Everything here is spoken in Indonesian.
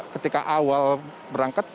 ketika awal berangkat